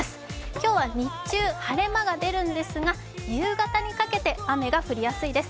今日は日中晴れ間が出るんですが夕方にかけて雨が降りやすいです。